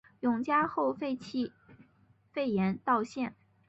永嘉后废严道县。